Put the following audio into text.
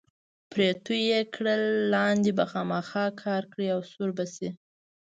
پرې توی یې کړه، لاندې به خامخا کا کړي او سوړ به شي.